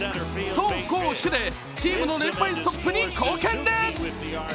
走攻守でチームの連敗ストップに貢献です。